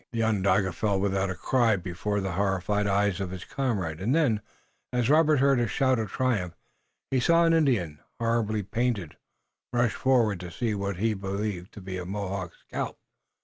The Onondaga fell without a cry before the horrified eyes of his comrade, and then, as Robert heard a shout of triumph, he saw an Indian, horribly painted, rush forward to seize what he believed to be a Mohawk scalp.